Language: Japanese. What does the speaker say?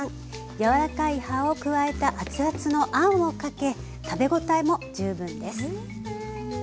柔らかい葉を加えた熱々のあんをかけ食べ応えも十分です。